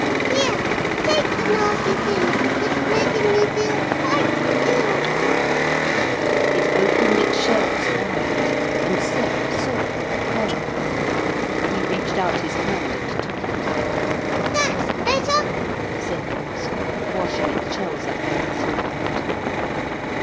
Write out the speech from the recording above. Here, take the nasty thing, it's making me feel quite ill.' It opened its shells wide, and Sep saw a pearl. He reached out his hand and took it. 'That's better,' said the mussel, washing its shells out with salt water.